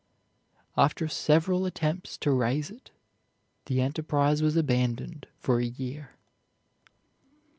After several attempts to raise it, the enterprise was abandoned for a year.